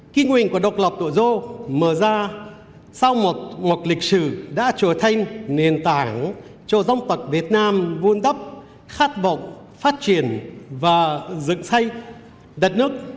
kinh nguyện của độc lập đội dô mở ra sau một lịch sử đã trở thành nền tảng cho dân tộc việt nam vun đắp khát vọng phát triển và dựng xây đất nước